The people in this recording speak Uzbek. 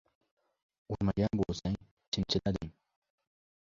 — Urmagan bo‘lsang, chimchilading.